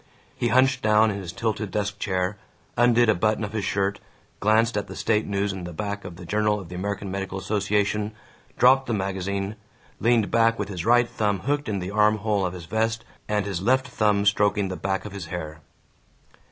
He hunched down in his tilted desk chair, undid a button of his shirt, glanced at the state news in the back of the Journal of the American Medical Association, dropped the magazine, leaned back with his right thumb hooked in the arm hole of his vest and his left thumb stroking the back of his hair.